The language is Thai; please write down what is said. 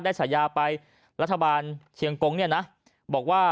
ในเศรษฐกาศปีใหม่ในปีนี้นะ